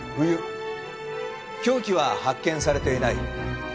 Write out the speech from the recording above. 凶器は発見されていない。